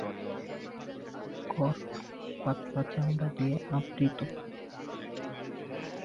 Cork পাতলা চামড়া দিয়ে আবৃত।